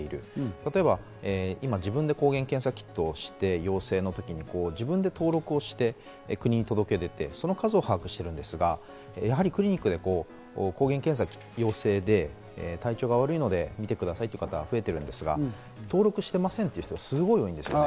例えば今自分で抗原検査キットをして、陽性で、登録をして国に届け出て、その数を把握してるんですが、クリニックで抗原検査が陽性で、体調が悪いので見てくださいという方が増えてるんですが、登録してませんという方が非常に多いです。